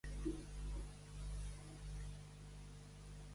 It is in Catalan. Els ulls són blavosos, verdosos o de color verd fosc.